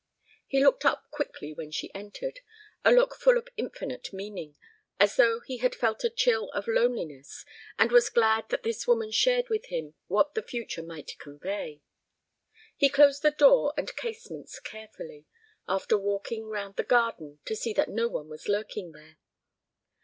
He looked up quickly when she entered, a look full of infinite meaning, as though he had felt a chill of loneliness and was glad that this woman shared with him what the future might convey. He closed the door and casements carefully, after walking round the garden to see that no one was lurking there.